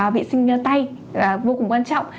vệ sinh tay vô cùng quan trọng